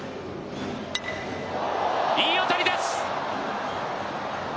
いい当たりです。